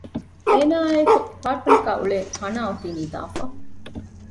އޭނާ އާއި އެކު އެ އެޕާޓްމެންޓް ގައި އުޅޭ ހަނާ އޮތީ ނިދާފަ